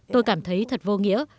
tôi cảm thấy thật vô nghĩa